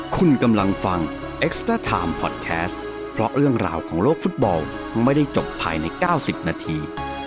คุณกำลังฟังเอ็กซ์เตอร์ไทม์พอดแคสต์เพราะเรื่องราวของโลกฟุตบอลไม่ได้จบภายใน๙๐นาที